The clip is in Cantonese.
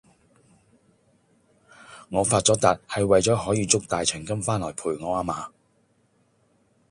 我發咗達係為咗可以捉大長今翻來陪我啊嘛!